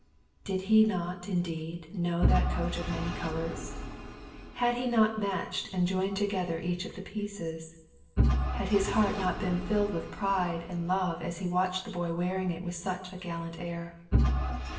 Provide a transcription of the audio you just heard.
Did he not, indeed, know that coat of many colours? Had he not matched and joined together each of the pieces? Had not his heart been filled with pride and love as he watched the boy wearing it with such a gallant air?